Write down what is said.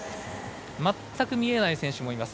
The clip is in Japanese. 全く見えない選手もいます。